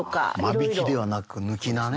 間引きではなく抜菜ね。